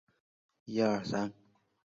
播放时间通常是上学前及放学后。